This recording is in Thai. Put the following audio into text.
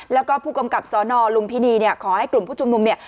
แล้วก็ผู้กำกับสนลุงพินีขอให้กลุ่มผู้จุ่มนุม